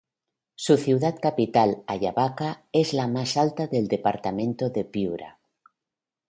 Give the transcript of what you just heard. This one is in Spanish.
Su ciudad capital, Ayabaca, es la más alta del departamento de Piura.